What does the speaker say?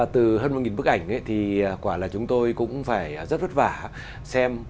từ hơn một bức ảnh thì quả là chúng tôi cũng phải rất vất vả xem